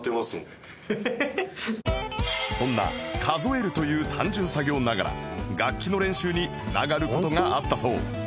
そんな数えるという単純作業ながら楽器の練習に繋がる事があったそう